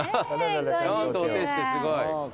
ちゃんとお手してすごい。